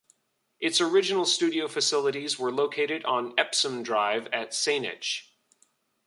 Its original studio facilities were located on Epsom Drive in Saanich.